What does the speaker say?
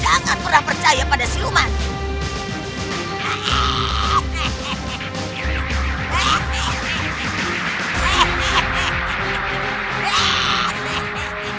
jangan pernah percaya pada si umar